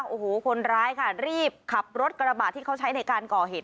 โอ้โหคนร้ายค่ะรีบขับรถกระบะที่เขาใช้ในการก่อเหตุ